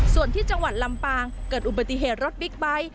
ส่วนที่จังหวัดลำปางเกิดอุบัติเหตุรถบิ๊กไบท์